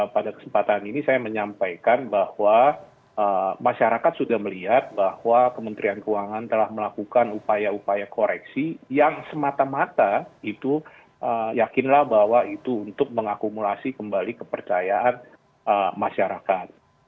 pada kesempatan ini saya menyampaikan bahwa masyarakat sudah melihat bahwa kementerian keuangan telah melakukan upaya upaya koreksi yang semata mata itu yakinlah bahwa itu untuk mengakumulasi kembali kepercayaan masyarakat